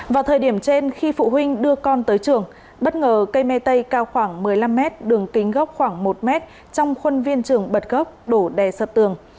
vào thời điểm trên khi phụ huynh đưa con tới trường bất ngờ cây me tây cao khoảng một mươi năm mét đường kính gốc khoảng một mét trong khuôn viên trường bật gốc đổ đè sập tường